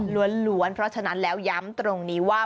ล้วนเพราะฉะนั้นแล้วย้ำตรงนี้ว่า